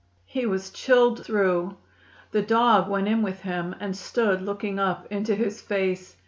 He was chilled through. The dog went in with him, and stood looking up into his face.